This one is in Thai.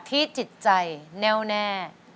จิตใจแน่วแน่